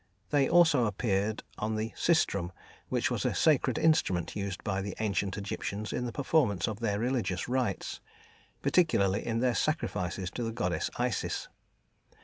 They also appeared on the "systrum," which was a sacred instrument used by the ancient Egyptians in the performance of their religious rites, particularly in their sacrifices to the goddess Isis.